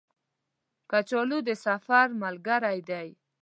کچالو د سفر ملګری دی